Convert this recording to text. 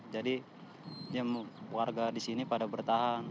warga di sini pada bertahan